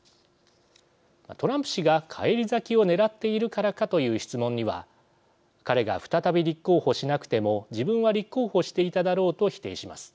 トランプ氏が返り咲きをねらっているからかという質問には彼が再び立候補しなくても自分は立候補していただろうと否定します。